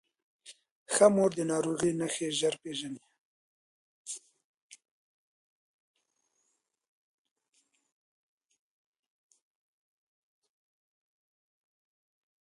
ښه مور د ناروغۍ نښې ژر پیژني.